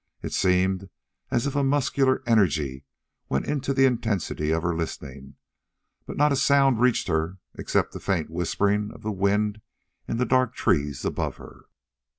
It seemed as if a muscular energy went into the intensity of her listening, but not a sound reached her except a faint whispering of the wind in the dark trees above her.